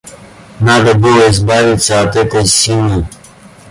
Надо было избавиться от этой силы.